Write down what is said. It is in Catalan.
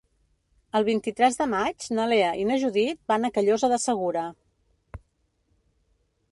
El vint-i-tres de maig na Lea i na Judit van a Callosa de Segura.